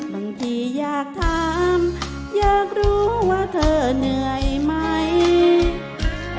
บางทีอยากถามอยากรู้ว่าเธอเหนื่อยไหม